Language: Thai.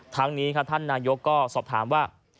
ทั้งนี้ครับท่านนายกก็สอบถามว่า